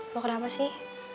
lo kenapa sih